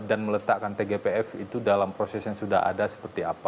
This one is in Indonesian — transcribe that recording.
dan meletakkan tgpf itu dalam proses yang sudah ada seperti apa